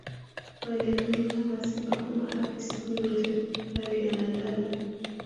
waliamini kwamba simba huwa hafi siku zote bali analala